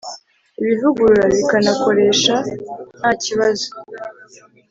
ibivugurura bikanakoresha nta kibazo